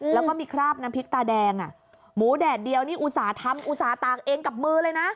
และก็มีคราบน้ำพริกตาแดงอ่ะหมูแดดเดียวนี่อุสาตามเองกับมือเลยนะ